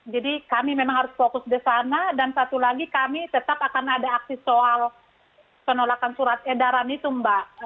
jadi kami memang harus fokus di sana dan satu lagi kami tetap akan ada aksi soal penolakan surat edaran itu mbak